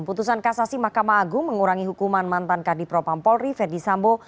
putusan kasasi mahkamah agung mengurangi hukuman mantan kadipropampolri ferdisambo